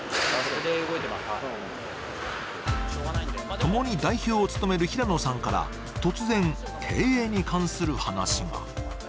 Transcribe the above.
ともに代表を務める平野さんから突然、経営に関する話が。